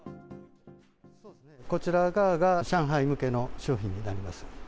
こちら側が上海向けの商品になります。